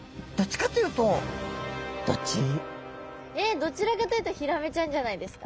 このお魚えっどちらかというとヒラメちゃんじゃないですか？